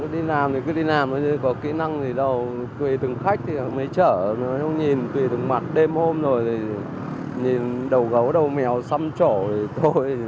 đi làm thì cứ đi làm có kỹ năng gì đâu tùy từng khách thì mới chở tùy từng mặt đêm hôm rồi thì nhìn đầu gấu đầu mèo xăm trổ thì thôi